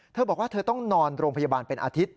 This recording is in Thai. เธอบอกว่าเธอต้องนอนโรงพยาบาลเป็นอาทิตย